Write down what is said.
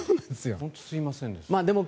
本当にすいませんです。